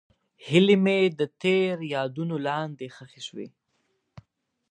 هیلې مې د تېر یادونو لاندې ښخې شوې.